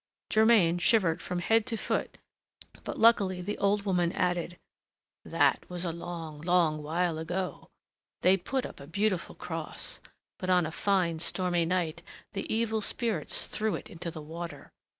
Germain shivered from head to foot; but luckily the old woman added: "That was a long, long while ago; they put up a beautiful cross; but on a fine stormy night the evil spirits threw it into the water.